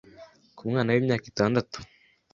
ku mwana w’imyaka itandatu